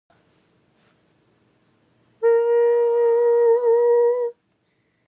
If the equation is solvable, there is another complication: its solutions are not unique.